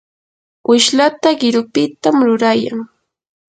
wishlata qirupitam rurayan.